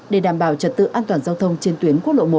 để đảm bảo trật tự an toàn giao thông trên tuyến quốc lộ một